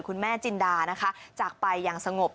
คุณแม่จินดานะคะจากไปอย่างสงบ